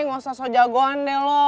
nggak usah so jagoan deh loh